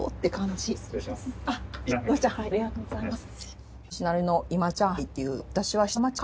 ありがとうございます。